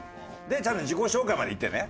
ちゃんと自己紹介までいってね。